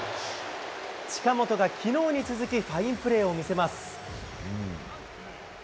近本がきのうに続きファインプレーを見せます。